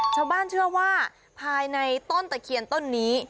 ชาวบ้านเชื่อว่าภายในต้นตะเคียนต้นนี้